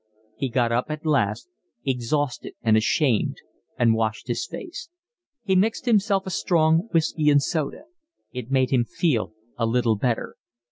He got up at last, exhausted and ashamed, and washed his face. He mixed himself a strong whiskey and soda. It made him feel a little better.